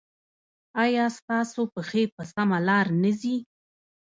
ایا ستاسو پښې په سمه لار نه ځي؟